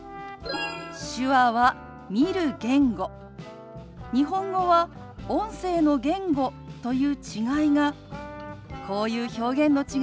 手話は見る言語日本語は音声の言語という違いがこういう表現の違いになることがあるんですよ。